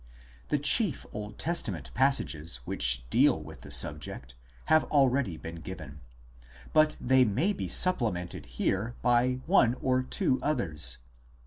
The chief Old Testa ment passages which deal with the subject have already been given, 2 but they may be supplemented here by one or two others.